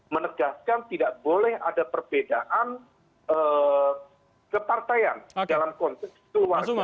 menegaskan tidak boleh ada perbedaan kepartaian dalam konteks keluarga